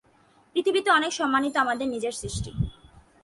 পৃথিবীতে অনেক সম্মানই তো আমাদের নিজের সৃষ্টি।